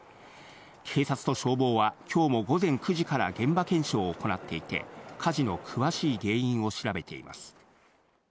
警察と消防は今日も午前９時から現場検証を行っていて、火事の詳しい原因を調べています。